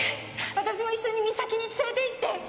私も一緒に岬に連れていって！